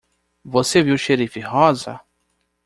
Você viu xerife rosa?